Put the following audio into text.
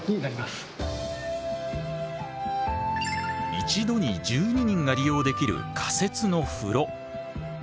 一度に１２人が利用できる仮設の風呂。